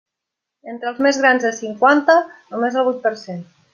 Entre els més grans de cinquanta, només el vuit per cent.